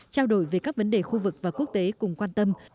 trao đổi về các vấn đề khu vực và quốc tế cùng quan tâm